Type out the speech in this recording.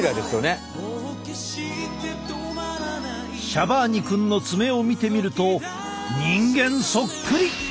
シャバーニ君の爪を見てみると人間そっくり！